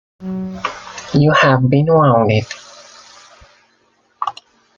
You have been wounded.